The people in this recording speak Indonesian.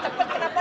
kalau harus cepat